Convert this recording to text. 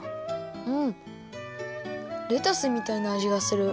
うんレタスみたいなあじがする。